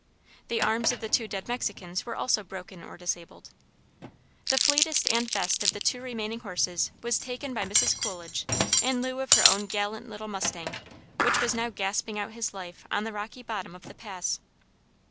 The arms of the two dead Mexicans were also broken or disabled. The fleetest and best of the two remaining horses was taken by Mrs. Coolidge in lieu of her own gallant little mustang, which was now gasping out his life on the rocky bottom of the pass.